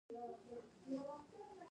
او يو دوه لغړ زني هلکان ناست دي.